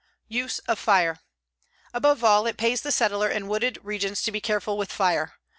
USE OF FIRE Above all, it pays the settler in wooded regions to be careful with fire.